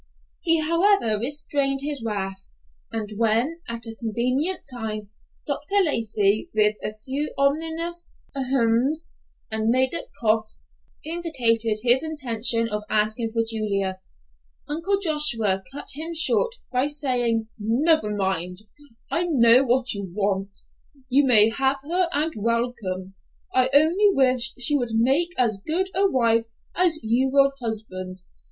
He, however, restrained his wrath, and when, at a convenient time, Dr. Lacey, with a few ominous "ahems" and made up coughs, indicated his intention of asking for Julia, Uncle Joshua cut him short by saying, "Never mind, I know what you want. You may have her and welcome. I only wish she would make as good a wife as you will husband.